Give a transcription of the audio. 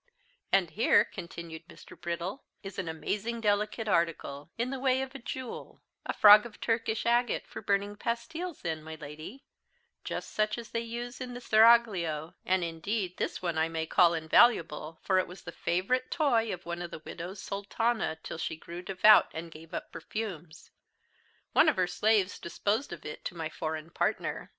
"And here," continued Mr. Brittle, "is an amazing delicate article, in the way of a jewel a frog of Turkish agate for burning pastiles in, my Lady; just such as they use in the seraglio; and indeed this one I may call invaluable, for it was the favourite toy of one of the widowed Sultanas till she grew devout and gave up perfumes. One of her slaves disposed of it to my foreign partner.